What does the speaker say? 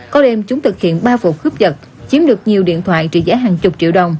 có đêm chúng thực hiện ba vụ cướp giật chiếm được nhiều điện thoại trị giá hàng chục triệu đồng